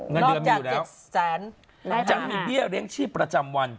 เงินเรือมีอยู่แล้วจังห์มีเบี้ยเลี้ยงชีพประจำวัน